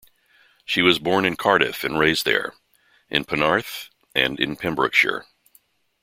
She was born in Cardiff and raised there, in Penarth, and in Pembrokeshire.